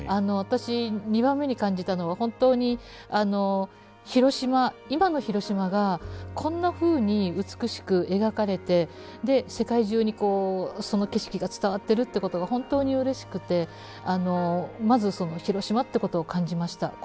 私２番目に感じたのは本当に広島今の広島がこんなふうに美しく描かれて世界中にその景色が伝わってるってことが本当にうれしくてまず広島ってことを感じました。